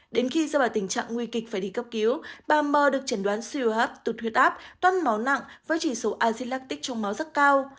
đến khi do bà tình trạng nguy kịch phải đi cấp cứu bà mơ được chẩn đoán siêu hấp tụt huyết áp toan máu nặng với chỉ số azelactic trong máu rất cao